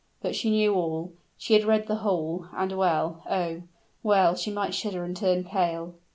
But she knew all she had read the whole; and well oh! well might she shudder and turn pale.